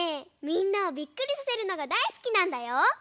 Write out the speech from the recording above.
みんなをびっくりさせるのがだいすきなんだよ。